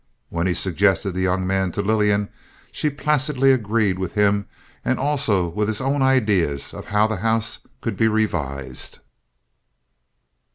When he suggested the young man to Lillian, she placidly agreed with him and also with his own ideas of how the house could be revised.